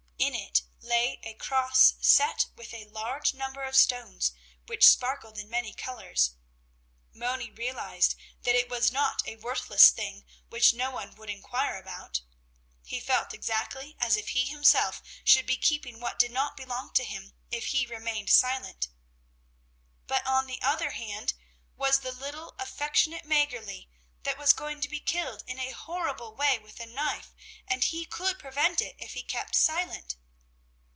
In it lay a cross set with a large number of stones, which sparkled in many colors. Moni realized that it was not a worthless thing which no one would inquire about; he felt exactly as if he himself should be keeping what did not belong to him if he remained silent. But on the other hand was the little, affectionate Mäggerli, that was going to be killed in a horrible way with a knife, and he could prevent it if he kept silent.